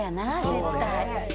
絶対。